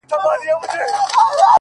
او په تصوير كي مي”